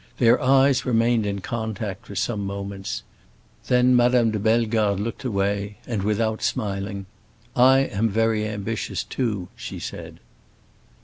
Their eyes remained in contact for some moments. Then Madame de Bellegarde looked away, and without smiling, "I am very ambitious, too," she said.